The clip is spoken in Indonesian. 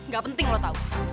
gak penting lo tau